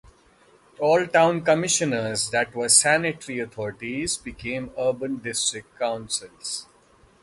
All town commissioners that were sanitary authorities became urban district councils.